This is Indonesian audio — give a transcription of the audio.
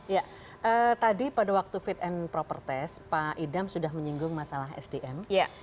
ya tadi pada waktu fit and proper test pak idam sudah menyinggung masalah sdm